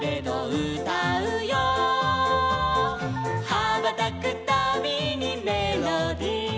「はばたくたびにメロディ」